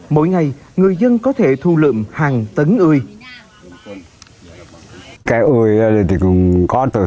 mỗi ngày người dân có thể thu lượm hàng tấn ươi